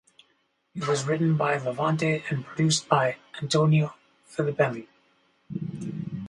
It was written by Levante and produced by Antonio Filippelli.